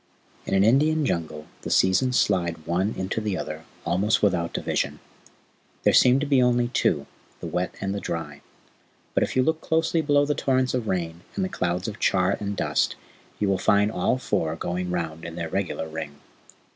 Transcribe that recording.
In an Indian Jungle the seasons slide one into the other almost without division. There seem to be only two the wet and the dry; but if you look closely below the torrents of rain and the clouds of char and dust you will find all four going round in their regular ring.